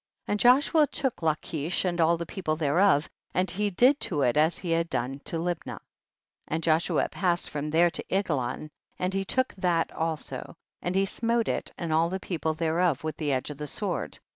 33. And Joshua took Lachish and all the people thereof, and he did to it as he had done to Libnah. 34. And Joshua passed from there to Eglon, and he took that also, and he smote it and all the people there of with the edge of the sword.